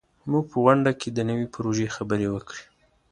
موږ په غونډه کې د نوي پروژې خبرې وکړې.